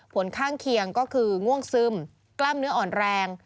ผลข้างเคียงก็คือง่วงซึมกล้ามเนื้ออ่อนแรง